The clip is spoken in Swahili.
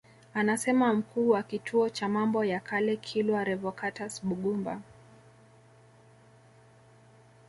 Anasema Mkuu wa Kituo cha Mambo ya Kale Kilwa Revocatus Bugumba